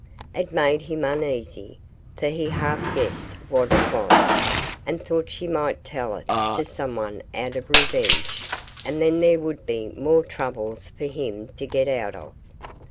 It made him uneasy, for he half guessed what it was, and thought she might tell it to someone out of revenge, and then there would be more troubles for him to get out of.